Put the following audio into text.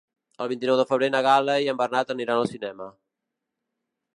El vint-i-nou de febrer na Gal·la i en Bernat aniran al cinema.